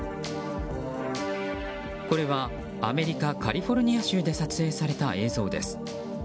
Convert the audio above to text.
これはアメリカカリフォルニア州で撮影された映像です。